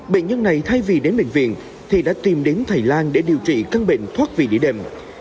bệnh nhân này thay vì đến bệnh viện thì đã tìm đến thầy lan để điều trị các bệnh thoát vì địa đềm